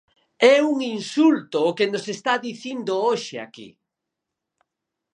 ¡É un insulto o que nos está dicindo hoxe aquí!